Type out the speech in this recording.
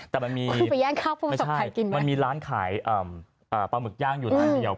แต่มันมีร้านขายปลาหมึกย่างอยู่ร้านเดียว